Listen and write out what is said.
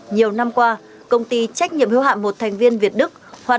nhiều năm qua công ty trách nhiệm hưu hạm một thành viên việt đức